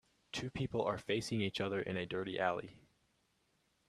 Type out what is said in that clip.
Two people are facing each other in a dirty alley.